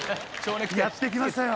やって来ましたよ。